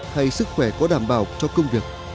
hay sức khỏe có đảm bảo cho công việc